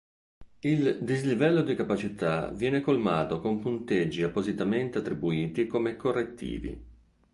Il dislivello di capacità viene colmato con punteggi appositamente attribuiti come correttivi.